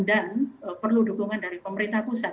dan perlu dukungan dari pemerintah pusat